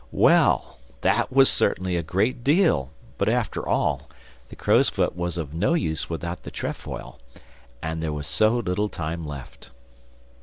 Well, that was certainly a great deal, but after all, the crowsfoot was of no use without the trefoil, and there was so little time left.